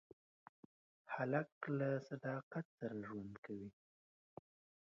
هلک له صداقت سره ژوند کوي.